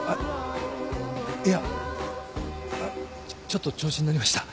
ちょっと調子に乗りました。